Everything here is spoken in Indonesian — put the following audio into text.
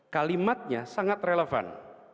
kalimatnya sangat relevan